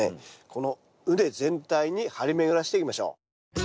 この畝全体に張り巡らせていきましょう。